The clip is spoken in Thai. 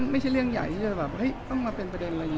ไม่ใช่เรื่องใหญ่ที่จะแบบต้องมาเป็นประเด็นอะไรอย่างนี้